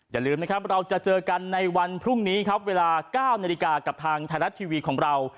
อย่าลืมนะครับเราจะเจอกันในวันพรุ่งนี้ครับเวลา๙นาฬิกากับทางไทยรัฐทีวีของเรา